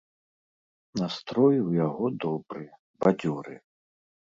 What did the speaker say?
Настрой у яго добры, бадзёры.